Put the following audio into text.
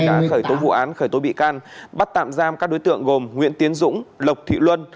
đã khởi tố vụ án khởi tố bị can bắt tạm giam các đối tượng gồm nguyễn tiến dũng lộc thị luân